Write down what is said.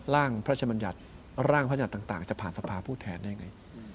ร่างพระชมัญญัติร่างพระยัติต่างจะผ่านสภาผู้แทนได้ไง